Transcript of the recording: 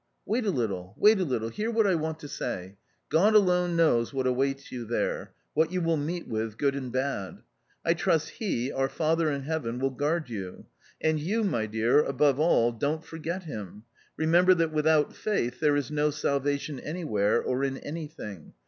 " Wait a little, wait a little, hear what I want to say ! God alone knows what awaits you there, what you will meet with, good and bad. I trust He, our Father in Heaven, will guard you ; and you, my dear, above all, don't forget Him; remember that without faith there is no salvation anywhere or in anything.